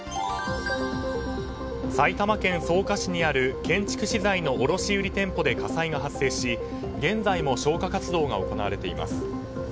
埼玉県草加市にある建築資材の卸売店舗で火災が発生し現在も消火活動が行われています。